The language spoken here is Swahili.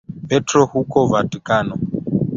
Petro huko Vatikano.